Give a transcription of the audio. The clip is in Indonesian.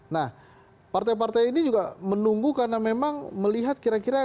nah partai partai ini juga menunggu karena memang melihat kira kira